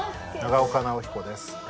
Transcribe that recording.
長岡尚彦です。